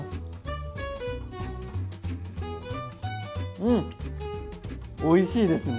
うんおいしいですね！